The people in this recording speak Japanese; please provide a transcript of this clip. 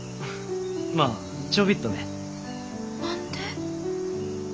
まあちょびっとね。何で？